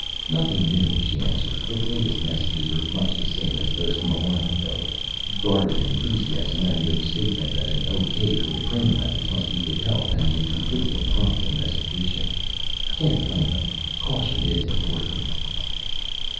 "Nothing new," she answered. "The latest messages are much the same as those from a while ago. Guarded enthusiasm, and the statement that an okay for the Kramer Methods must be withheld pending complete and prompt investigation. Can't blame them. Caution is important."